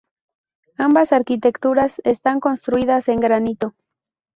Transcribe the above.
Ambas arquitecturas están construidas en granito.